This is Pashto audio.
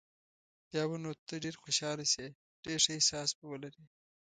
بیا به نو ته ډېر خوشاله شې، ډېر ښه احساس به ولرې.